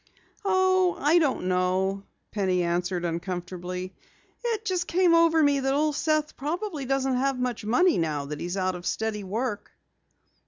"Oh, I don't know," Penny answered uncomfortably. "It just came over me that Old Seth probably doesn't have much money now that he's out of steady work."